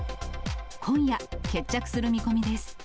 今夜、決着する見込みです。